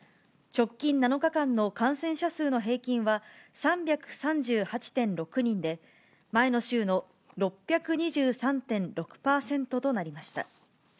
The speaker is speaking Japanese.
直近７日間の感染者数の平均は、３３８．６人で、前の週の６２３．６％となりました。